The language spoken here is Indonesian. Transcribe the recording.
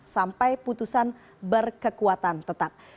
sampai putusan berkekuatan tetap